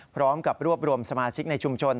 พร้อมกับรวบรวมสมาชิกในชุมชน